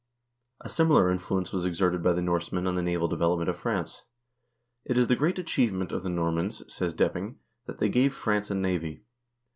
x A similar influence was exerted by the Norsemen on the naval development of France. "It is the great achievement of the Nor mans," says Depping, "that they gave France a navy.